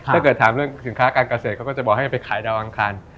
ถ้าเกิดถามเรื่องสินค้าการเกษตรเขาก็จะบอกให้ไปขายดาวอังคาร